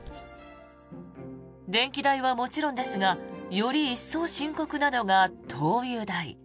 電気代はもちろんですがより一層深刻なのが灯油代。